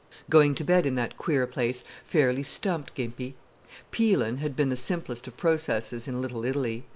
Going to bed in that queer place fairly "stumped" Gimpy. "Peeli'" had been the simplest of processes in Little Italy.